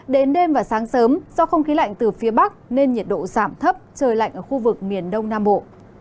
đến đêm và sáng sớm do không khí lạnh từ phía bắc nên nhiệt độ giảm thấp trời lạnh ở khu vực miền đông nam bộ